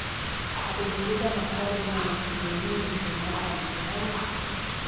Alijiuliza maswali mengi, ni nini mshua wake anafanya?